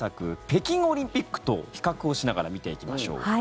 北京オリンピックと比較しながら見ていきましょう。